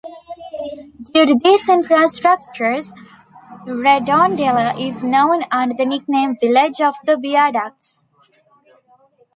Due to these infrastructures Redondela is known under the nickname Village of the viaducts.